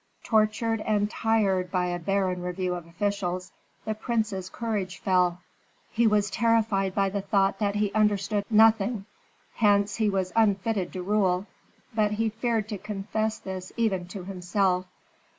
Tortured and tired by a barren review of officials, the prince's courage fell. He was terrified by the thought that he understood nothing, hence was unfitted to rule; but he feared to confess this even to himself.